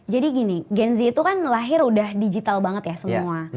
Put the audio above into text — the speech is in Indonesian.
jadi gini gen z itu kan lahir udah digital banget ya semua